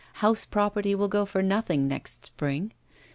House property will go for nothing next spring!